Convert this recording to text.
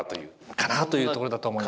かなあというところだと思いますが。